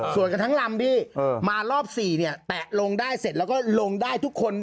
ส่วนกันทั้งลำพี่มารอบ๔เนี่ยแตะลงได้เสร็จแล้วก็ลงได้ทุกคน